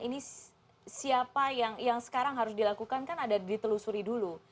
ini siapa yang sekarang harus dilakukan kan ada ditelusuri dulu